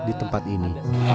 di tempat ini